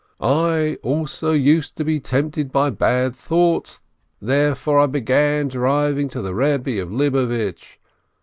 I also used to be tempted by bad thoughts. Therefore I began driving to the Eebbe of Libavitch.